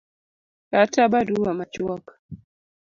kata barua machuok